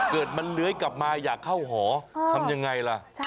เกิดมันเลื้อยกลับมาอยากเข้าหอทำยังไงล่ะ